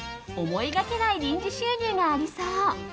思いがけない臨時収入がありそう。